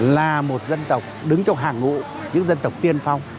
là một dân tộc đứng trong hàng ngụ những dân tộc tiên phong